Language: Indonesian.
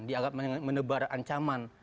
dianggap menebar ancaman